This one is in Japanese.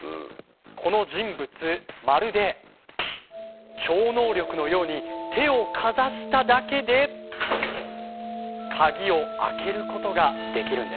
この人物まるで超能力のように手をかざしただけで鍵を開けることができるんです。